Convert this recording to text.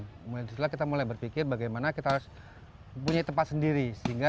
kemudian setelah kita mulai berpikir bagaimana kita harus punya tempat sendiri